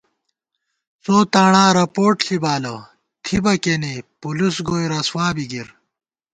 څو تاݨا رپوٹ ݪی بالہ ، تھِبہ کېنے پُلُس گوئی رسوا بی گِر